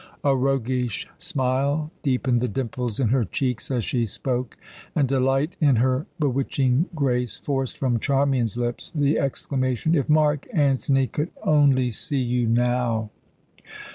A roguish smile deepened the dimples in her cheeks as she spoke, and delight in her bewitching grace forced from Charmian's lips the exclamation: "If Mark Antony could only see you now!"